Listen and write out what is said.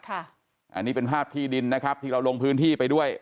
อันนี้เป็นภาพที่ดินนะครับที่เราลงพื้นที่ไปด้วย